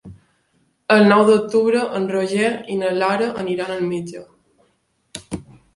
El nou d'octubre en Roger i na Lara aniran al metge.